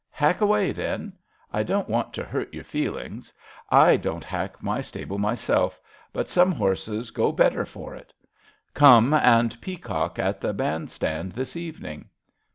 ''*^ Hack away, then. I don't want to hurt your feelings. I don't hack my stable myself, but some horses go better for it. Come and peacock at the band stand this evening."